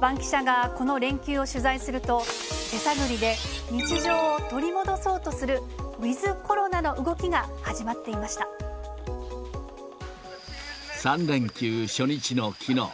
バンキシャがこの連休を取材すると、手探りで日常を取り戻そうとするウィズコロナの動きが始まってい３連休初日のきのう。